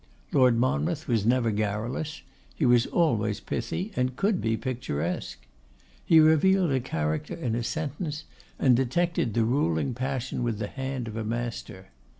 Lord Monmouth was never garrulous: he was always pithy, and could be picturesque. He revealed a character in a sentence, and detected the ruling passion with the hand of a master.